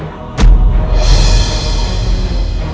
sunan kudus tidak sanggup